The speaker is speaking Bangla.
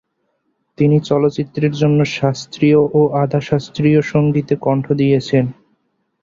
তিনি চলচ্চিত্রের জন্যও শাস্ত্রীয় ও আধা শাস্ত্রীয় সঙ্গীতে কণ্ঠ দিয়েছেন।